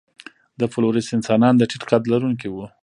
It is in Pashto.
د فلورېس انسانان د ټیټ قد لرونکي وو.